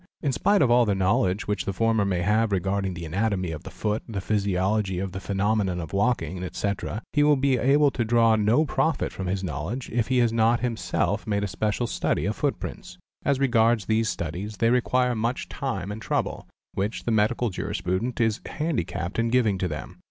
In spite of all the knowledge which the former may have regarding the anatomy of the foot, the physiology of the phenomenon of walking, etc., he will be able to draw no profit from this knowledge, if he has not himself made a special study of footprints. As regards these studies they require much time and trouble, which the Medical Juris prudent is handicapped in giving to them.